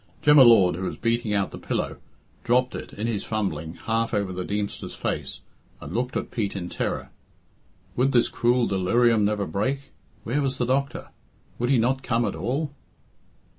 Jem y Lord, who was beating out the pillow, dropped it, in his fumbling, half over the Deemster's face, and looked at Pete in terror. Would this cruel delirium never break? Where was the doctor? Would he not come at all?